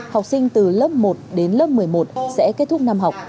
học sinh từ lớp một đến lớp một mươi một sẽ kết thúc năm học